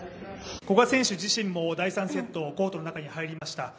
古賀選手自身も第３セット、コートの中に入りました